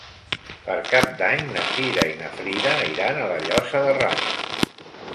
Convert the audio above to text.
Per Cap d'Any na Cira i na Frida iran a la Llosa de Ranes.